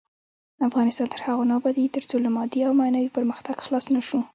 افغانستان تر هغو نه ابادیږي، ترڅو له مادي او معنوي پرمختګ خلاص نشو.